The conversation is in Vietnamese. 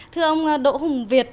thưa ông đỗ hùng việt